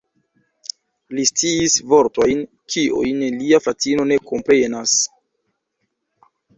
Li sciis vortojn, kiujn lia fratino ne komprenas.